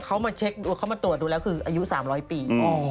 เขามาเช็คเขามาตรวจดูแล้วคืออายุ๓๐๐ปี